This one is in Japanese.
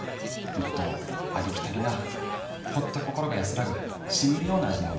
もっとありきたりなホッと心が安らぐしみるような味のおでんを。